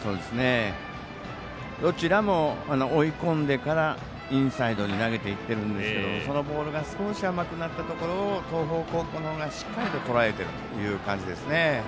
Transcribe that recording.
どちらも追い込んでからインサイドに投げていってるんですけどそのボールが少し甘くなったところを東邦高校のほうがしっかりととらえているという感じですね。